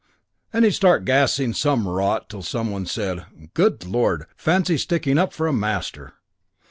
and he'd start gassing some rot till some one said, 'Good lord, fancy sticking up for a master!'